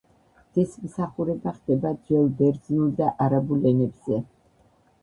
ღვთისმსახურება ხდება ძველ ბერძნულ და არაბულ ენებზე.